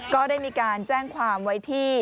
ก็ได้มีการแจ้งความไว้ที่